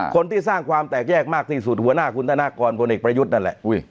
คนที่สร้างความแตกแยกมากที่สุดหัวหน้าคุณธนากรพลเอกประยุทธ์นั่นแหละ